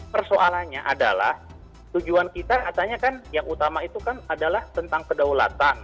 persoalannya adalah tujuan kita katanya kan yang utama itu kan adalah tentang kedaulatan